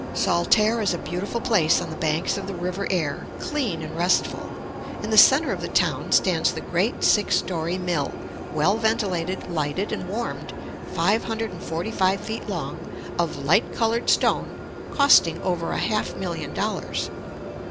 Saltaire is a beautiful place on the banks of the river Aire, clean and restful. In the centre of the town stands the great six story mill, well ventilated, lighted, and warmed, five hundred and forty five feet long, of light colored stone, costing over a half million dollars.